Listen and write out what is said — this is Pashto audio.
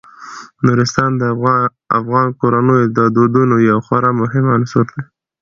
نورستان د افغان کورنیو د دودونو یو خورا مهم عنصر دی.